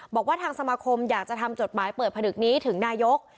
บอกว่าทางสมาคมอยากจะทำจดหมายเปิดผนึกนี้ถึงนายก